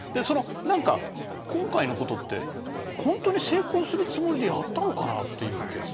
何か今回のことは本当に成功するつもりでやったのかなという気が。